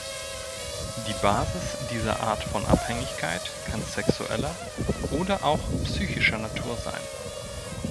Die Basis dieser Art von Abhängigkeit kann sexueller oder auch psychischer Natur sein.